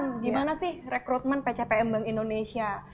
gimana sih rekrutmen pcpm bank indonesia